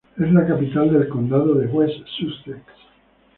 Es la capital del condado de West Sussex.